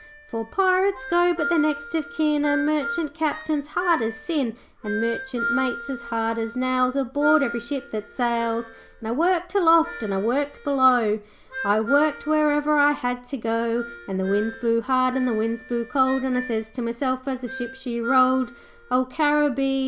'For Pirates go, but their next of kin Are Merchant Captains, hard as sin, And Merchant Mates as hard as nails Aboard of every ship that sails. 'And I worked aloft and I worked below, I worked wherever I had to go, And the winds blew hard and the winds blew cold, And I sez to meself as the ship she rolled, '"O Caribbee!